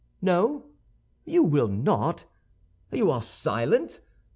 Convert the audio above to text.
No? You will not? You are silent?